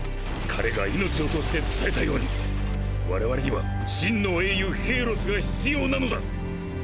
彼が命を賭して伝えたように我々には真の英雄ヘーロスが必要なのだ。